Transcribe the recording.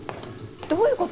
どういう事！？